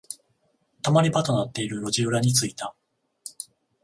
溜まり場となっている路地裏に着いた。